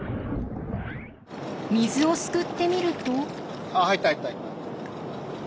水をすくってみると。